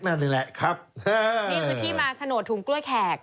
นั่นแหละครับ